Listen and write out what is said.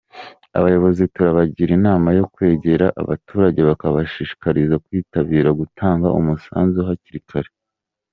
Abayobozi turabagira inama yo kwegera abaturage bakabashishikariza kwitabira gutanga umusanzu hakiri kare”.